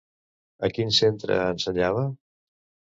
A quin centre ensenyava?